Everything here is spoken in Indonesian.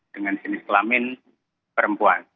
dengan jenis kelamin perempuan